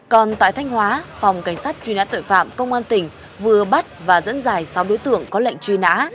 còn tại thanh hóa phòng cảnh sát truy nã tội phạm công an tỉnh vừa bắt và dẫn dài sáu đối tượng có lệnh truy nã